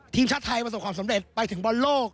ทีมชาติไทยประสบความสำเร็จไปถึงบอลโลก